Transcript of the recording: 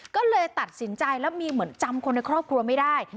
ก็เลยตัดสินใจแล้วมีเหมือนจำคนในครอบครัวไม่ได้